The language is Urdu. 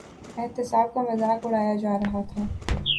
احتساب کا مذاق اڑایا جا رہا تھا۔